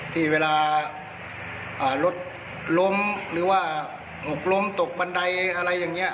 ที่เวลารถล้มหรือว่าหกล้มตกบันไดอะไรอย่างนี้